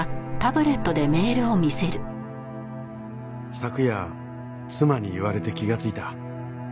「昨夜妻に言われて気がついた」